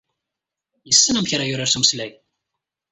Yessen amek ara yurar s umeslay.